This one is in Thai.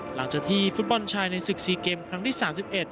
หลังจากที่ฟุตบอลชายในสิกสีเกมครั้งที่สามสิบเอ็ด